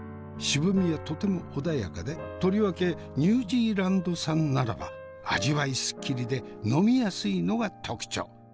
渋みはとても穏やかでとりわけニュージーランド産ならば味わいすっきりで呑みやすいのが特徴。